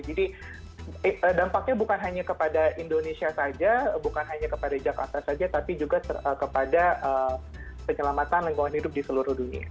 jadi dampaknya bukan hanya kepada indonesia saja bukan hanya kepada jakarta saja tapi juga kepada penyelamatan lingkungan hidup di seluruh dunia